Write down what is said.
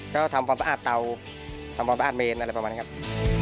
ก็ทำความสะอาดเตาทำความสะอาดเมนอะไรประมาณนี้ครับ